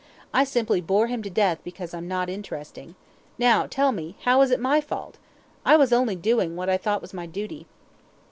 I simply bore him to death because I'm not interesting. Now, tell me, how was it my fault? I was only doing what I thought was my duty.